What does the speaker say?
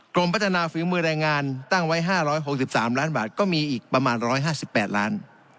พัฒนาฝีมือแรงงานตั้งไว้๕๖๓ล้านบาทก็มีอีกประมาณ๑๕๘ล้าน